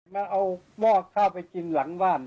มาเอาหม้อข้าวไปกินหลังบ้าน